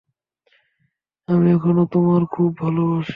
আমি এখনও তোমায় খুব ভালোবাসি!